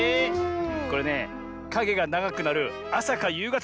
これねかげがながくなるあさかゆうがたがおすすめだぜ。